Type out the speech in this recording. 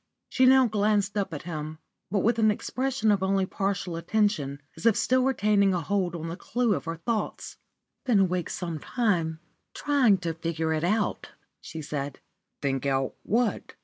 She now glanced up at him, but with an expression of only partial attention, as if still retaining a hold on the clue of her thoughts. "I've been awake some time trying to think it out," she said. "Think out what?"